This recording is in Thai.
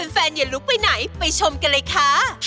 อย่าลุกไปไหนไปชมกันเลยค่ะ